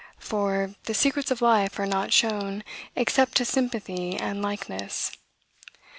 For, the secrets of life are not shown except to sympathy and likeness.